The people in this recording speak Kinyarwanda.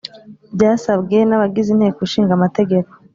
Byasabwe n’Abagize Inteko Ishinga Amategeko